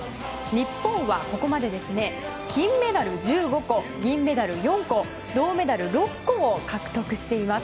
日本はここまで金メダル１５個銀メダル４個、銅メダル６個も獲得しています。